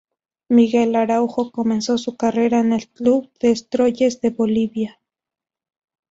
Miguel Araujo comenzó su carrera en el club Destroyers de Bolivia.